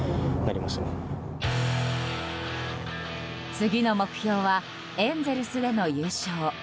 次の目標はエンゼルスでも優勝。